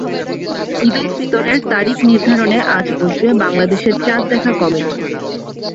ঈদুল ফিতরের তারিখ নির্ধারণে আজ বসবে বাংলাদেশের চাঁদ দেখা কমিটি।